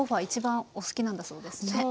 一番お好きなんだそうですね。